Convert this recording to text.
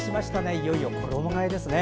いよいよ衣がえですね。